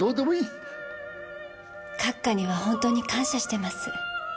閣下には本当に感謝してます。